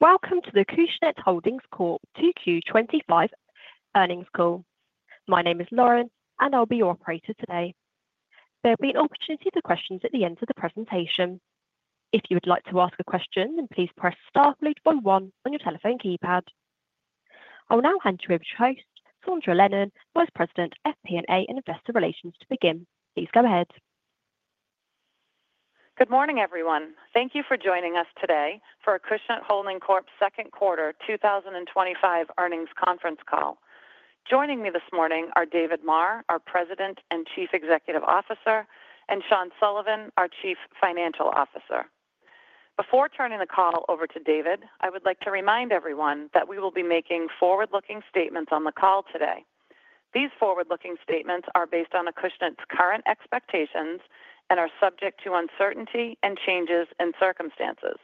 Welcome to the Acushnet Holdings Corp. 2Q25 Earnings Call. My name is Lauren, and I'll be your operator today. There will be an opportunity for questions at the end of the presentation. If you would like to ask a question, then please press *31 on your telephone keypad. I will now hand you over to host Sondra Lennon, Vice President, FP&A and Investor Relations, to begin. Please go ahead. Good morning, everyone. Thank you for joining us today for Acushnet Holdings Corp.'s second quarter 2025 earnings conference call. Joining me this morning are David Maher, our President and Chief Executive Officer, and Sean Sullivan, our Chief Financial Officer. Before turning the call over to David, I would like to remind everyone that we will be making forward-looking statements on the call today. These forward-looking statements are based on Acushnet's current expectations and are subject to uncertainty and changes in circumstances.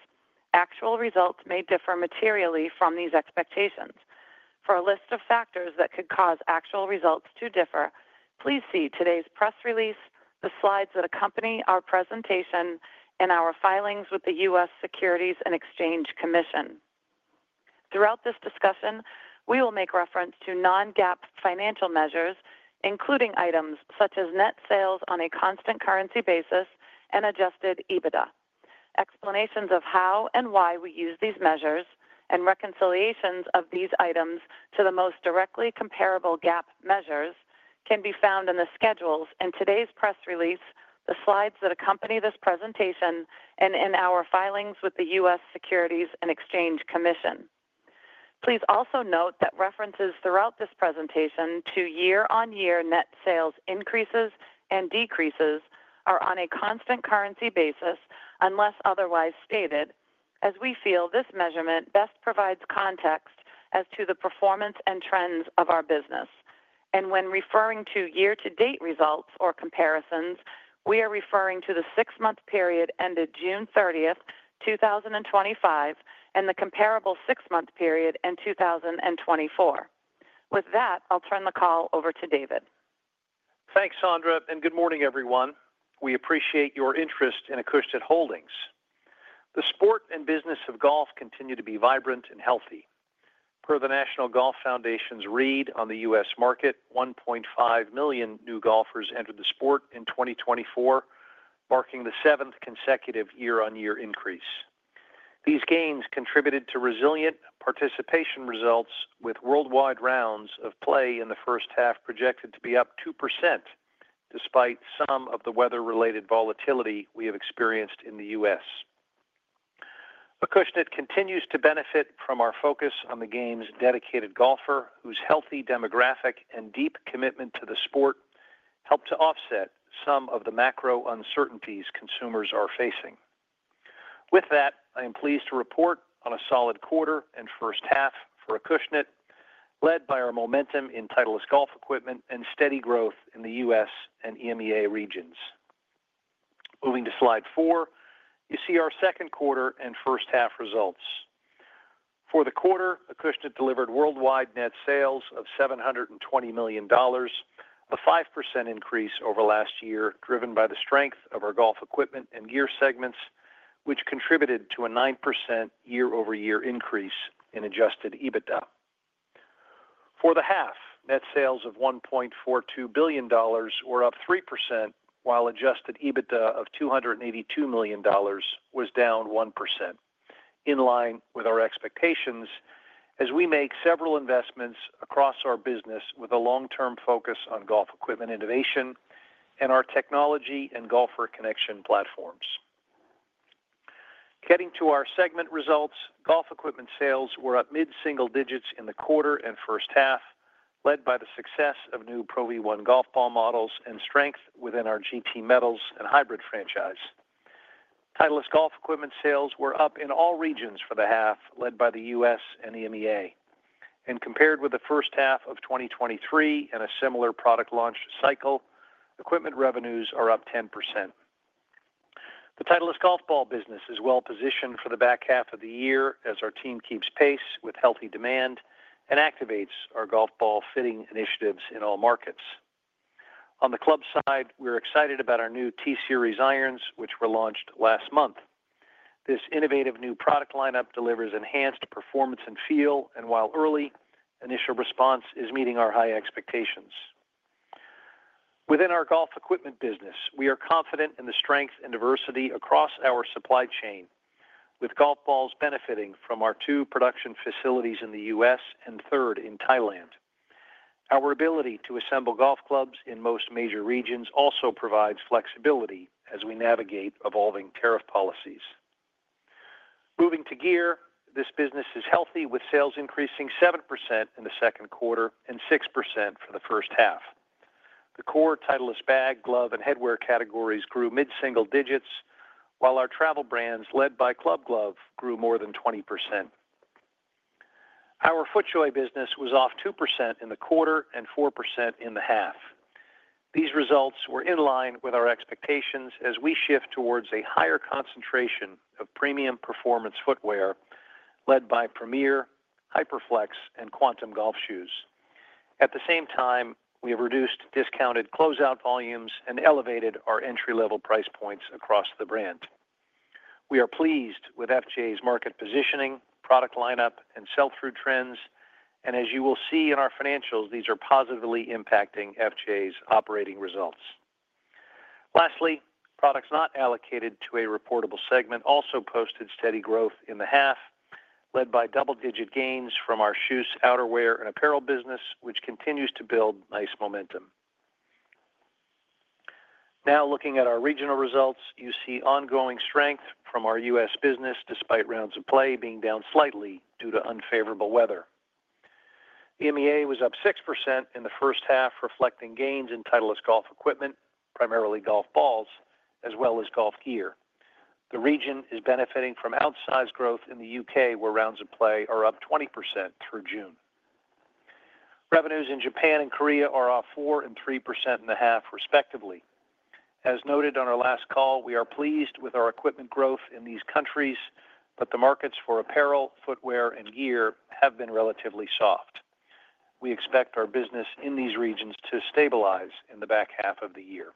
Actual results may differ materially from these expectations. For a list of factors that could cause actual results to differ, please see today's press release, the slides that accompany our presentation, and our filings with the U.S. Securities and Exchange Commission. Throughout this discussion, we will make reference to non-GAAP financial measures, including items such as net sales on a constant currency basis and adjusted EBITDA. Explanations of how and why we use these measures and reconciliations of these items to the most directly comparable GAAP measures can be found in the schedules, in today's press release, the slides that accompany this presentation, and in our filings with the U.S. Securities and Exchange Commission. Please also note that references throughout this presentation to year-on-year net sales increases and decreases are on a constant currency basis unless otherwise stated, as we feel this measurement best provides context as to the performance and trends of our business. When referring to year-to-date results or comparisons, we are referring to the six-month period ended June 30, 2025, and the comparable six-month period in 2024. With that, I'll turn the call over to David. Thanks, Sondra, and good morning, everyone. We appreciate your interest in Acushnet Holdings. The sport and business of golf continue to be vibrant and healthy. Per the National Golf Foundation's read on the U.S. market, 1.5 million new golfers entered the sport in 2024, marking the seventh consecutive year-on-year increase. These gains contributed to resilient participation results with worldwide rounds of play in the first half projected to be up 2%, despite some of the weather-related volatility we have experienced in the U.S. Acushnet. continues to benefit from our focus on the game's dedicated golfer, whose healthy demographic and deep commitment to the sport help to offset some of the macro uncertainties consumers are facing. With that, I am pleased to report on a solid quarter and first half for Acushnet., led by our momentum in Titleist golf equipment and steady growth in the U.S. and EMEA regions. Moving to slide four, you see our second quarter and first half results. For the quarter, Acushnet. delivered worldwide net sales of $720 million, a 5% increase over last year, driven by the strength of our golf equipment and gear segments, which contributed to a 9% year-over-year increase in adjusted EBITDA. For the half, net sales of $1.42 billion were up 3%, while adjusted EBITDA of $282 million was down 1%, in line with our expectations as we make several investments across our business with a long-term focus on golf equipment innovation and our technology and golfer connection platforms. Getting to our segment results, golf equipment sales were up mid-single digits in the quarter and first half, led by the success of new Pro V1 golf ball models and strength within our GT Metals and Hybrid franchise. Titleist golf equipment sales were up in all regions for the half, led by the U.S. and EMEA. Compared with the first half of 2023 and a similar product launch cycle, equipment revenues are up 10%. The Titleist golf ball business is well-positioned for the back half of the year as our team keeps pace with healthy demand and activates our golf ball fitting initiatives in all markets. On the club side, we're excited about our new T Series irons, which were launched last month. This innovative new product lineup delivers enhanced performance and feel, and while early, initial response is meeting our high expectations. Within our golf equipment business, we are confident in the strength and diversity across our supply chain, with golf balls benefiting from our two production facilities in the U.S. and a third in Thailand. Our ability to assemble golf clubs in most major regions also provides flexibility as we navigate evolving tariff policies. Moving to gear, this business is healthy, with sales increasing 7% in the second quarter and 6% for the first half. The core Titleist bag, glove, and headwear categories grew mid-single digits, while our travel brands, led by Club Glove, grew more than 20%. Our FootJoy business was off 2% in the quarter and 4% in the half. These results were in line with our expectations as we shift towards a higher concentration of premium performance footwear, led by Premier, HyperFlex, and Quantum golf shoes. At the same time, we have reduced discounted closeout volumes and elevated our entry-level price points across the brand. We are pleased with FootJoy's market positioning, product lineup, and sell-through trends, and as you will see in our financials, these are positively impacting FootJoy's operating results. Lastly, products not allocated to a reportable segment also posted steady growth in the half, led by double-digit gains from our shoes, outerwear, and apparel business, which continues to build nice momentum. Now looking at our regional results, you see ongoing strength from our U.S. business despite rounds of play being down slightly due to unfavorable weather. The EMEA was up 6% in the first half, reflecting gains in Titleist golf equipment, primarily golf balls, as well as golf gear. The region is benefiting from outsized growth in the U.K., where rounds of play are up 20% through June. Revenues in Japan and Korea are off 4% and 3.5%, respectively. As noted on our last call, we are pleased with our equipment growth in these countries, but the markets for apparel, footwear, and gear have been relatively soft. We expect our business in these regions to stabilize in the back half of the year.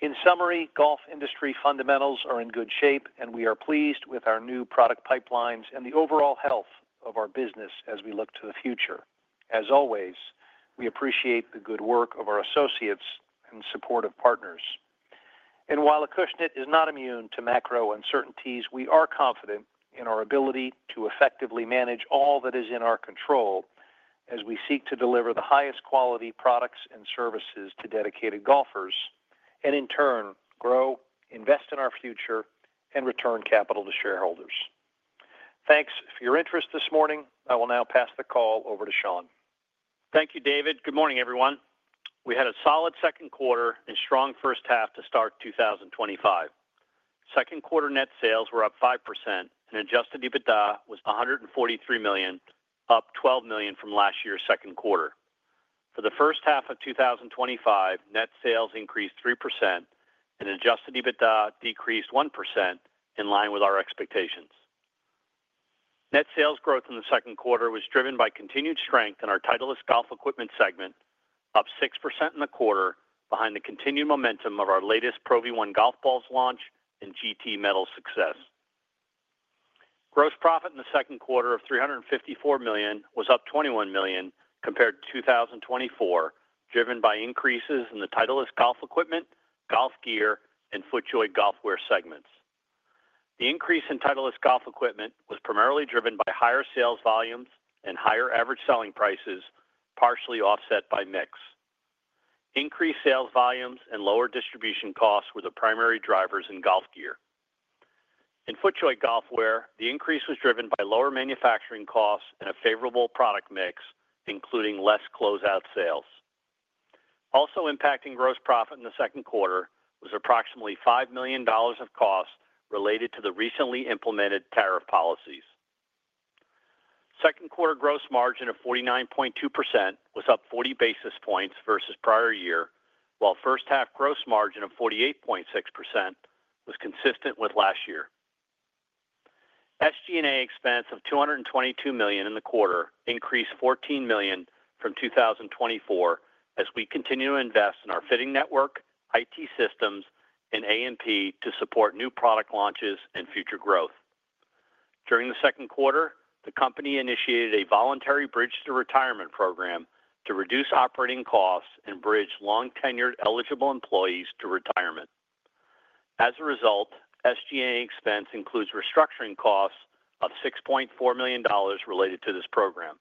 In summary, golf industry fundamentals are in good shape, and we are pleased with our new product pipelines and the overall health of our business as we look to the future. As always, we appreciate the good work of our associates and supportive partners. While Acushnet is not immune to macro uncertainties, we are confident in our ability to effectively manage all that is in our control as we seek to deliver the highest quality products and services to dedicated golfers and, in turn, grow, invest in our future, and return capital to shareholders. Thanks for your interest this morning. I will now pass the call over to Sean. Thank you, David. Good morning, everyone. We had a solid second quarter and strong first half to start 2025. Second quarter net sales were up 5%, and adjusted EBITDA was $143 million, up $12 million from last year's second quarter. For the first half of 2025, net sales increased 3%, and adjusted EBITDA decreased 1%, in line with our expectations. Net sales growth in the second quarter was driven by continued strength in our Titleist golf equipment segment, up 6% in the quarter, behind the continued momentum of our latest Pro V1 golf balls launch and GT Metals success. Gross profit in the second quarter of $354 million was up $21 million compared to 2024, driven by increases in the Titleist golf equipment, golf gear, and FootJoy golfwear segments. The increase in Titleist golf equipment was primarily driven by higher sales volumes and higher average selling prices, partially offset by mix. Increased sales volumes and lower distribution costs were the primary drivers in golf gear. In FootJoy golfwear, the increase was driven by lower manufacturing costs and a favorable product mix, including less closeout sales. Also impacting gross profit in the second quarter was approximately $5 million of costs related to the recently implemented tariff policies. Second quarter gross margin of 49.2% was up 40 basis points versus prior year, while first half gross margin of 48.6% was consistent with last year. SG&A expense of $222 million in the quarter increased $14 million from 2024 as we continue to invest in our fitting network, IT systems, and A&P to support new product launches and future growth. During the second quarter, the company initiated a voluntary bridge-to-retirement program to reduce operating costs and bridge long-tenured eligible employees to retirement. As a result, SG&A expense includes restructuring costs of $6.4 million related to this program.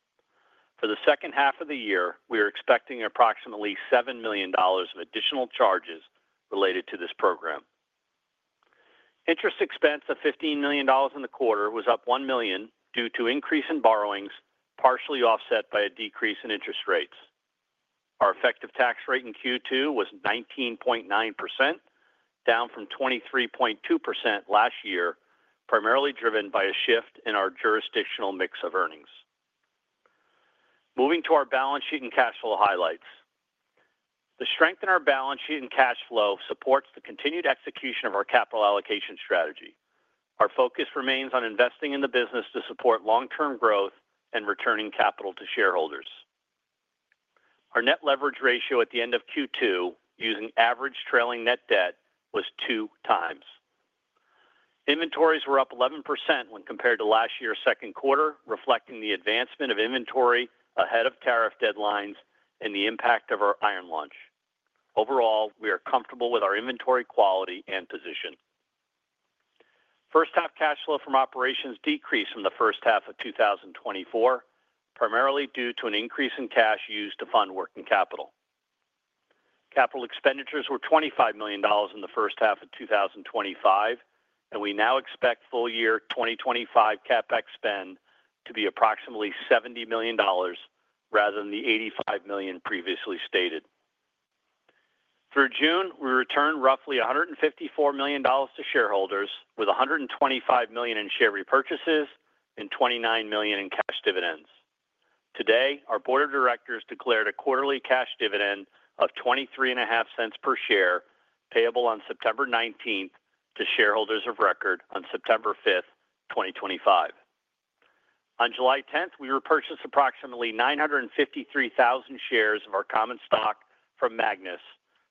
For the second half of the year, we are expecting approximately $7 million of additional charges related to this program. Interest expense of $15 million in the quarter was up $1 million due to increase in borrowings, partially offset by a decrease in interest rates. Our effective tax rate in Q2 was 19.9%, down from 23.2% last year, primarily driven by a shift in our jurisdictional mix of earnings. Moving to our balance sheet and cash flow highlights, the strength in our balance sheet and cash flow supports the continued execution of our capital allocation strategy. Our focus remains on investing in the business to support long-term growth and returning capital to shareholders. Our net leverage ratio at the end of Q2, using average trailing net debt, was two times. Inventories were up 11% when compared to last year's second quarter, reflecting the advancement of inventory ahead of tariff deadlines and the impact of our iron launch. Overall, we are comfortable with our inventory quality and position. First half cash flow from operations decreased from the first half of 2024, primarily due to an increase in cash used to fund working capital. Capital expenditures were $25 million in the first half of 2025, and we now expect full-year 2025 CapEx spend to be approximately $70 million rather than the $85 million previously stated. Through June, we returned roughly $154 million to shareholders, with $125 million in share repurchases and $29 million in cash dividends. Today, our Board of Directors declared a quarterly cash dividend of $23.50 per share, payable on September 19th to shareholders of record on September 5th, 2025. On July 10th, we repurchased approximately $953,000 shares of our common stock from Magnus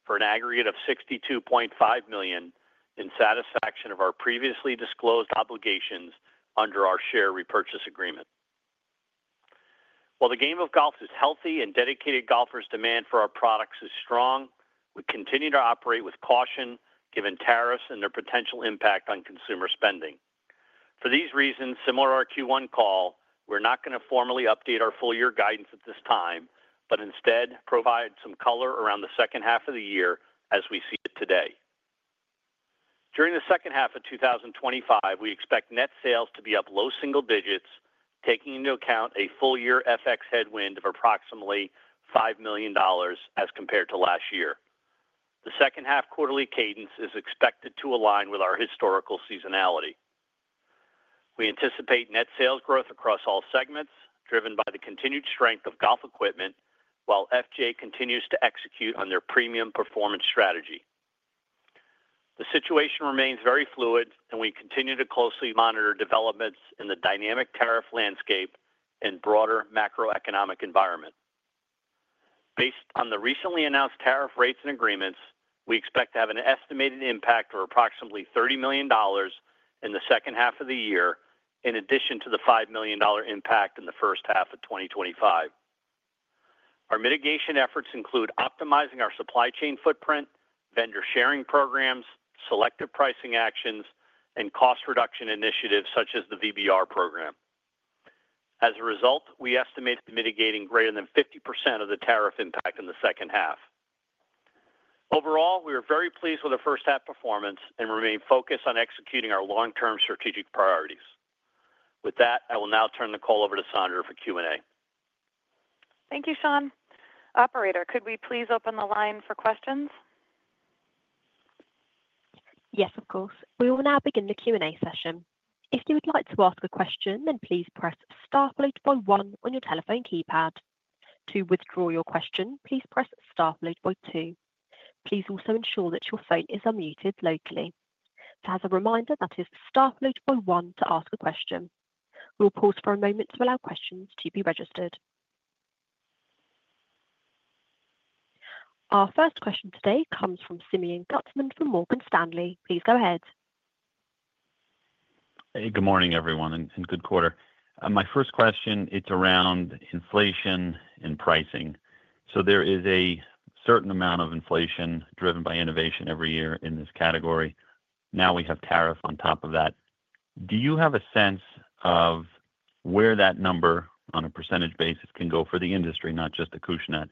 for an aggregate of $62.5 million in satisfaction of our previously disclosed obligations under our share repurchase agreement. While the game of golf is healthy and dedicated golfers' demand for our products is strong, we continue to operate with caution given tariffs and their potential impact on consumer spending. For these reasons, similar to our Q1 call, we're not going to formally update our full-year guidance at this time, but instead provide some color around the second half of the year as we see it today. During the second half of 2025, we expect net sales to be up low single digits, taking into account a full-year FX headwind of approximately $5 million as compared to last year. The second half quarterly cadence is expected to align with our historical seasonality. We anticipate net sales growth across all segments, driven by the continued strength of golf equipment, while FootJoy continues to execute on their premium performance strategy. The situation remains very fluid, and we continue to closely monitor developments in the dynamic tariff landscape and broader macroeconomic environment. Based on the recently announced tariff rates and agreements, we expect to have an estimated impact of approximately $3 million in the second half of the year, in addition to the $5 million impact in the first half of 2025. Our mitigation efforts include optimizing our supply chain footprint, vendor sharing programs, selective pricing actions, and cost reduction initiatives such as the bridge-to-retirement program. As a result, we estimate mitigating greater than 50% of the tariff impact in the second half. Overall, we are very pleased with our first half performance and remain focused on executing our long-term strategic priorities. With that, I will now turn the call over to Sondra for Q&A. Thank you, Sean. Operator, could we please open the line for questions? Yes, of course. We will now begin the Q&A session. If you would like to ask a question, then please press *81 on your telephone keypad. To withdraw your question, please press *82. Please also ensure that your phone is unmuted locally. As a reminder, that is *81 to ask a question. We'll pause for a moment to allow questions to be registered. Our first question today comes from Simeon Ari Gutman from Morgan Stanley. Please go ahead. Hey, good morning, everyone, and good quarter. My first question, it's around inflation and pricing. There is a certain amount of inflation driven by innovation every year in this category. Now we have tariff on top of that. Do you have a sense of where that number on a percent basis can go for the industry, not just Acushnet,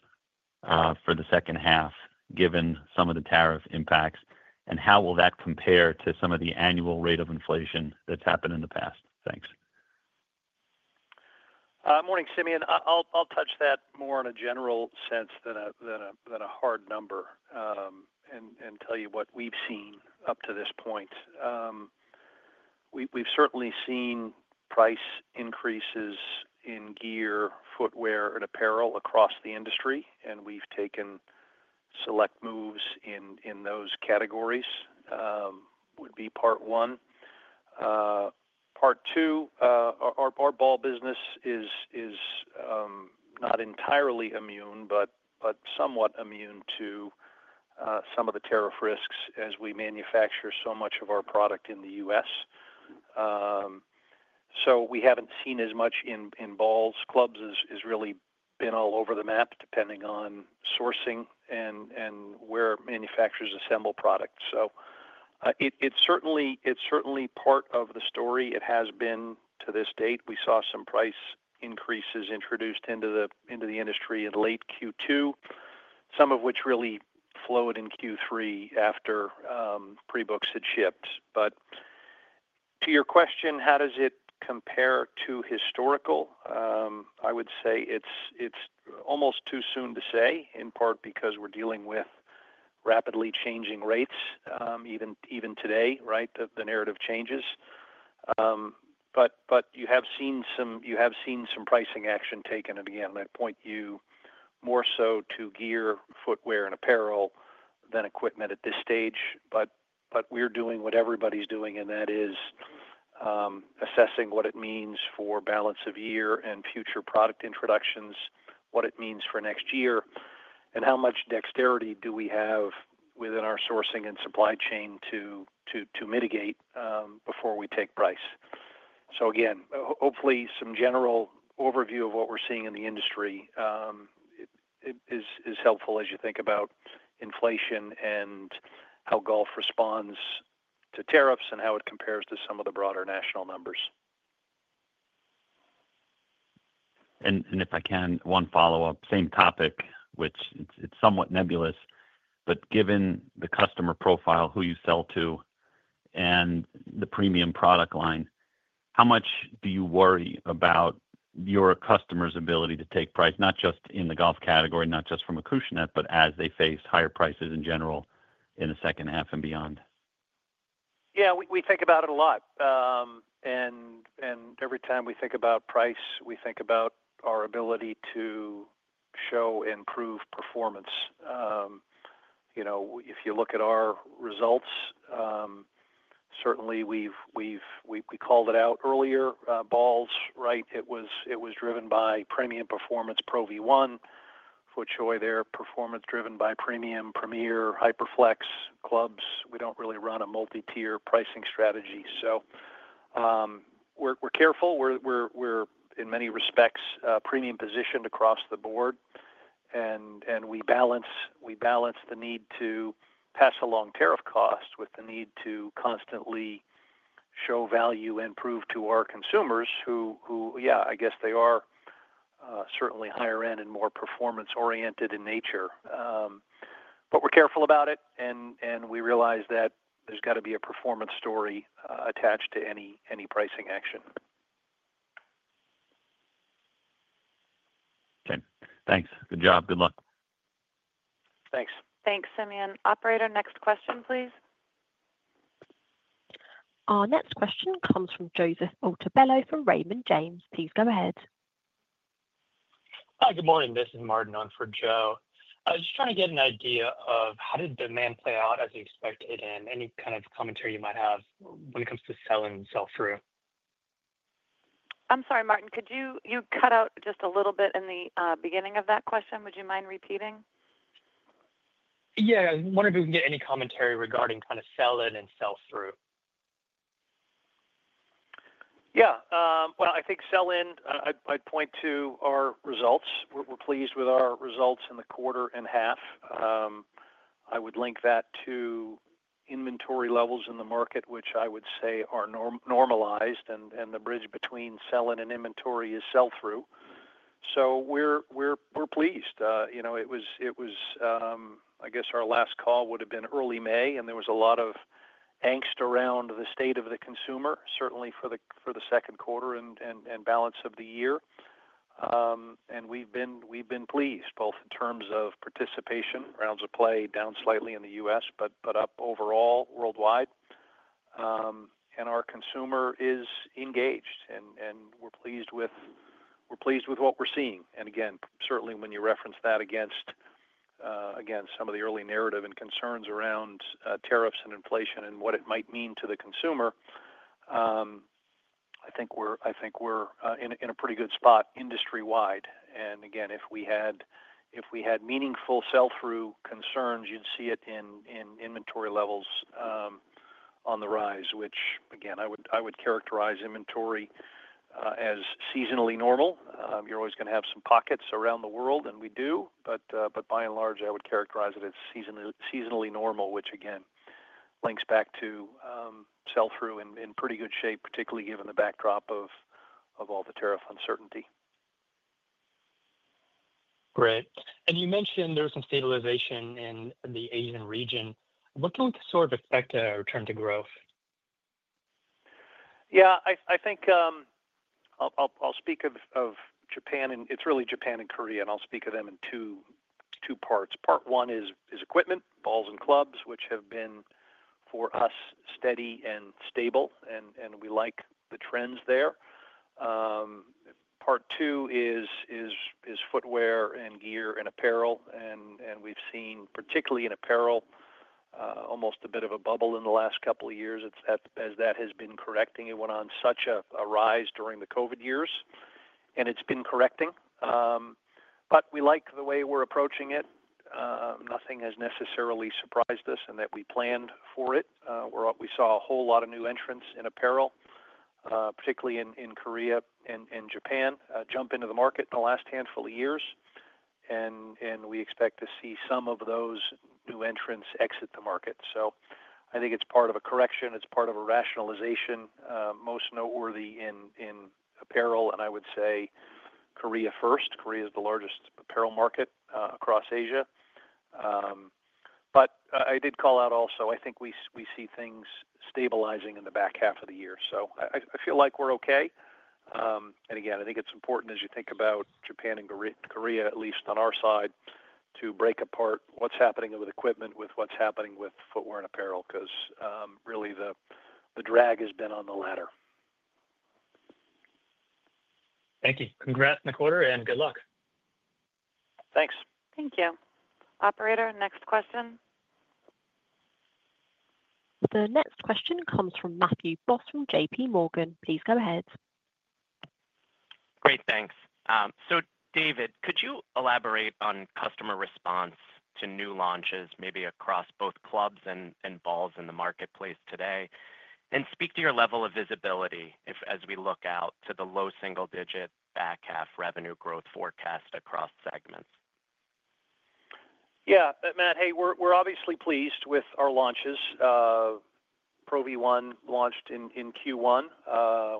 for the second half, given some of the tariff impacts, and how will that compare to some of the annual rate of inflation that's happened in the past? Thanks. Morning, Simeon. I'll touch that more on a general sense than a hard number and tell you what we've seen up to this point. We've certainly seen price increases in gear, footwear, and apparel across the industry, and we've taken select moves in those categories, would be part one. Part two, our ball business is not entirely immune, but somewhat immune to some of the tariff risks as we manufacture so much of our product in the U.S. We haven't seen as much in balls. Clubs has really been all over the map, depending on sourcing and where manufacturers assemble products. It's certainly part of the story. It has been to this date. We saw some price increases introduced into the industry in late Q2, some of which really flowed in Q3 after pre-books had shipped. To your question, how does it compare to historical? I would say it's almost too soon to say, in part because we're dealing with rapidly changing rates, even today, right, the narrative changes. You have seen some pricing action taken, and again, I'd point you more so to gear, footwear, and apparel than equipment at this stage. We're doing what everybody's doing, and that is assessing what it means for balance of year and future product introductions, what it means for next year, and how much dexterity do we have within our sourcing and supply chain to mitigate before we take price. Hopefully, some general overview of what we're seeing in the industry is helpful as you think about inflation and how golf responds to tariffs and how it compares to some of the broader national numbers. I can, one follow-up on the same topic, which is somewhat nebulous, but given the customer profile, who you sell to, and the premium product line, how much do you worry about your customer's ability to take price, not just in the golf category, not just from Acushnet, but as they face higher prices in general in the second half and beyond? Yeah, we think about it a lot. Every time we think about price, we think about our ability to show and prove performance. You know, if you look at our results, certainly we've called it out earlier, balls, right? It was driven by premium performance, Pro V1, FootJoy there, performance driven by premium, Premier, HyperFlex, clubs. We don't really run a multi-tier pricing strategy. We're careful. We're, in many respects, premium positioned across the board. We balance the need to pass along tariff costs with the need to constantly show value and prove to our consumers who, yeah, I guess they are certainly higher-end and more performance-oriented in nature. We're careful about it, and we realize that there's got to be a performance story attached to any pricing action. Okay. Thanks. Good job. Good luck. Thanks. Thanks, Simeon. Operator, next question, please. Our next question comes from Joseph Ortabello from Raymond James. Please go ahead. Hi, good morning. This is Martin on for Joe. I was just trying to get an idea of how did demand play out as expected, and any kind of commentary you might have when it comes to sell and sell through? I'm sorry, Martin, could you cut out just a little bit in the beginning of that question? Would you mind repeating? Yeah, I was wondering if we can get any commentary regarding kind of sell-in and sell-through. I think sell-in, I'd point to our results. We're pleased with our results in the quarter and half. I would link that to inventory levels in the market, which I would say are normalized, and the bridge between sell-in and inventory is sell-through. We're pleased. I guess our last call would have been early May, and there was a lot of angst around the state of the consumer, certainly for the second quarter and balance of the year. We've been pleased both in terms of participation, rounds of play down slightly in the U.S., but up overall worldwide. Our consumer is engaged, and we're pleased with what we're seeing. Certainly when you reference that against some of the early narrative and concerns around tariffs and inflation and what it might mean to the consumer, I think we're in a pretty good spot industry-wide. If we had meaningful sell-through concerns, you'd see it in inventory levels on the rise, which I would characterize inventory as seasonally normal. You're always going to have some pockets around the world, and we do, but by and large, I would characterize it as seasonally normal, which links back to sell-through in pretty good shape, particularly given the backdrop of all the tariff uncertainty. Great. You mentioned there was some stabilization in the Asian region, looking to sort of expect a return to growth. Yeah, I think I'll speak of Japan, and it's really Japan and Korea, and I'll speak of them in two parts. Part one is equipment, balls and clubs, which have been for us steady and stable, and we like the trends there. Part two is footwear and gear and apparel, and we've seen particularly in apparel almost a bit of a bubble in the last couple of years as that has been correcting. It went on such a rise during the COVID years, and it's been correcting. We like the way we're approaching it. Nothing has necessarily surprised us in that we planned for it. We saw a whole lot of new entrants in apparel, particularly in Korea and Japan, jump into the market in the last handful of years, and we expect to see some of those new entrants exit the market. I think it's part of a correction. It's part of a rationalization. Most noteworthy in apparel, and I would say Korea first. Korea is the largest apparel market across Asia. I did call out also, I think we see things stabilizing in the back half of the year. I feel like we're okay. I think it's important as you think about Japan and Korea, at least on our side, to break apart what's happening with equipment with what's happening with footwear and apparel because really the drag has been on the latter. Thank you. Congrats on the quarter and good luck. Thanks. Thank you. Operator, next question. The next question comes from Matthew Boss from JPMorgan. Please go ahead. Great, thanks. David, could you elaborate on customer response to new launches, maybe across both clubs and balls in the marketplace today, and speak to your level of visibility as we look out to the low single-digit back half revenue growth forecast across segments? Yeah, Matt. Hey, we're obviously pleased with our launches. Pro V1 launched in Q1.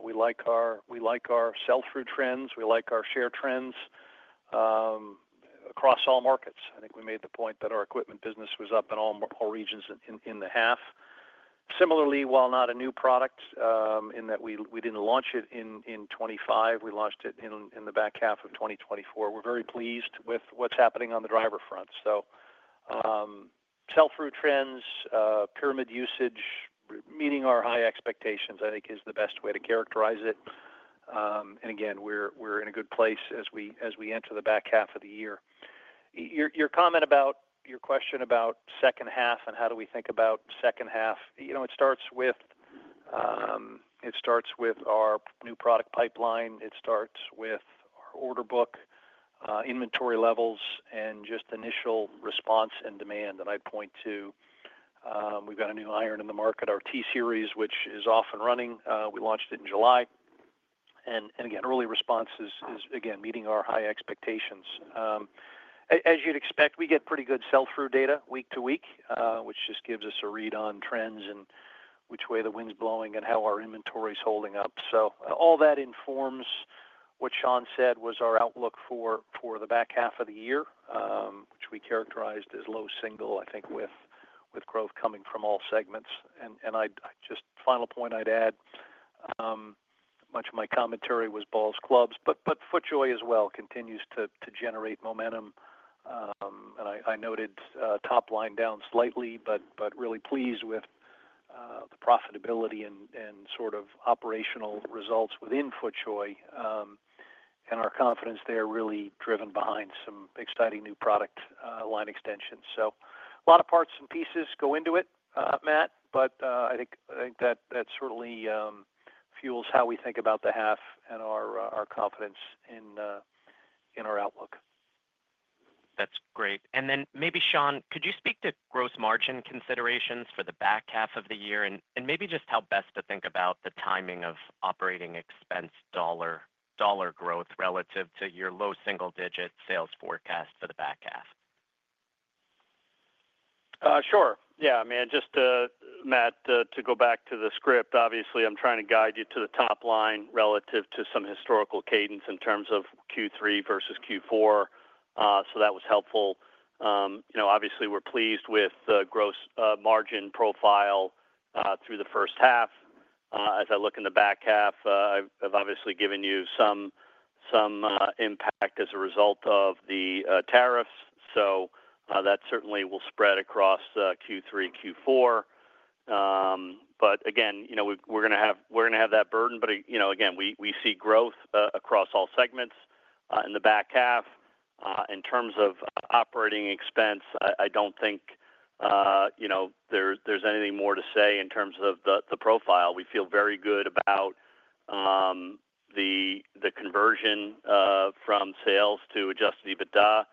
We like our sell-through trends. We like our share trends across all markets. I think we made the point that our equipment business was up in all regions in the half. Similarly, while not a new product in that we didn't launch it in 2025, we launched it in the back half of 2024. We're very pleased with what's happening on the driver front. Sell-through trends, pyramid usage, meeting our high expectations, I think is the best way to characterize it. We're in a good place as we enter the back half of the year. Your comment about your question about second half and how do we think about second half, it starts with our new product pipeline. It starts with our order book, inventory levels, and just initial response and demand. I'd point to we've got a new iron in the market, our T Series, which is off and running. We launched it in July. Early response is, again, meeting our high expectations. As you'd expect, we get pretty good sell-through data week to week, which just gives us a read on trends and which way the wind's blowing and how our inventory is holding up. All that informs what Sean said was our outlook for the back half of the year, which we characterized as low single, I think, with growth coming from all segments. Final point I'd add, much of my commentary was balls, clubs, but FootJoy as well continues to generate momentum. I noted top line down slightly, but really pleased with the profitability and sort of operational results within FootJoy. Our confidence there really driven behind some exciting new product line extensions. A lot of parts and pieces go into it, Matt, but I think that certainly fuels how we think about the half and our confidence in our outlook. That's great. Maybe, Sean, could you speak to gross margin considerations for the back half of the year and maybe just how best to think about the timing of operating expense dollar growth relative to your low single-digit sales forecast for the back half? Sure. Yeah, Matt, to go back to the script, obviously, I'm trying to guide you to the top line relative to some historical cadence in terms of Q3 versus Q4. That was helpful. Obviously, we're pleased with the gross margin profile through the first half. As I look in the back half, I've obviously given you some impact as a result of the tariffs. That certainly will spread across Q3 and Q4. Again, we're going to have that burden. Again, we see growth across all segments in the back half. In terms of operating expense, I don't think there's anything more to say in terms of the profile. We feel very good about the conversion from sales to adjusted EBITDA,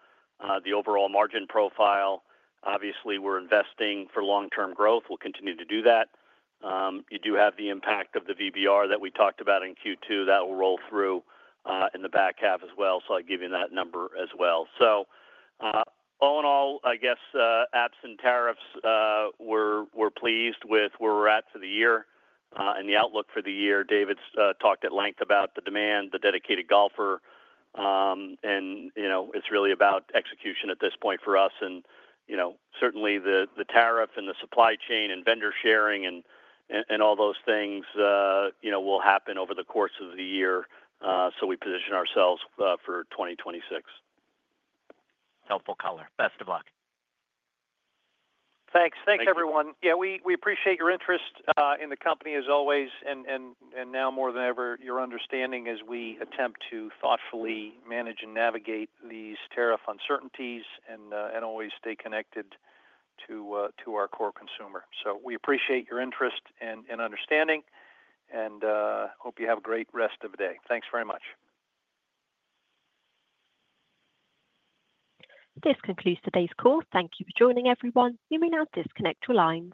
the overall margin profile. Obviously, we're investing for long-term growth. We'll continue to do that. You do have the impact of the VBR that we talked about in Q2 that will roll through in the back half as well. I'll give you that number as well. All in all, I guess absent tariffs, we're pleased with where we're at for the year and the outlook for the year. David's talked at length about the demand, the dedicated golfer, and it's really about execution at this point for us. Certainly, the tariff and the supply chain and vendor sharing and all those things will happen over the course of the year. We position ourselves for 2026. Helpful color. Best of luck. Thanks. Thanks, everyone. We appreciate your interest in the company, as always, and now more than ever, your understanding as we attempt to thoughtfully manage and navigate these tariff uncertainties and always stay connected to our core consumer. We appreciate your interest and understanding and hope you have a great rest of the day. Thanks very much. This concludes today's call. Thank you for joining, everyone. You may now disconnect your line.